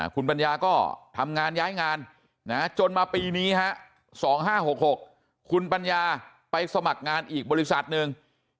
คุณปัญญาก็ทำงานย้ายงานจนมาปีนี้๒๕๖๖คุณปัญญาไปสมัครงานอีกบริษัทหนึ่ง